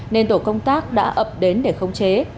nên tổ công tác đã ập đến để khống chế